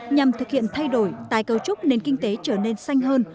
nhằm thực hiện thay đổi tài cầu trúc nên kinh tế trở nên xanh hơn